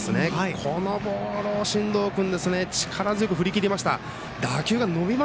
このボールを進藤君力強く振り切りました。